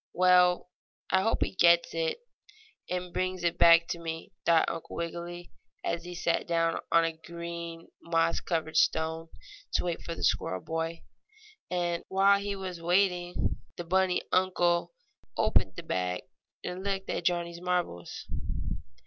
"Well, I hope he gets it and brings it back to me," thought Uncle Wiggily, as he sat down on a green, moss covered stone to wait for the squirrel boy. And, while he was waiting the bunny uncle opened the bag and looked at Johnnie's marbles.